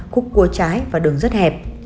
cúc cua trái và đường rất hẹp